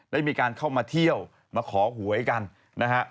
ได้มีการเข้ามาเที่ยวมาขอหวยกันนะฮะ